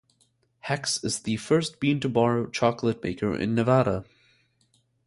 Hexx is the first "bean-to-bar" chocolate maker in Nevada.